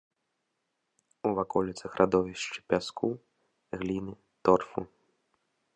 У ваколіцах радовішчы пяску, гліны, торфу.